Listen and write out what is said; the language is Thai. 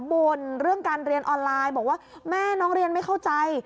บ่นเรื่องการเรียนออนไลน์บอกว่าแม่น้องเรียนไม่เข้าใจ